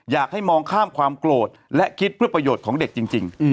อยากให้มองข้ามความโกรธและคิดเพื่อประโยชน์ของเด็กจริง